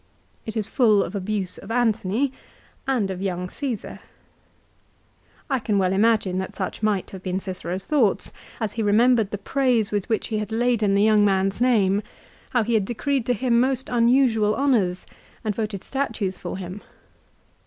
It is full of abuse of Antony, and of young Csesar. I can well imagine that such might have been Cicero's thoughts as he remembered the praise with which he had laden the young man's name, how he had decreed to CICERO'S DEATH. 291 him most unusual honours and voted statues for him.